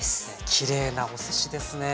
きれいなお寿司ですね。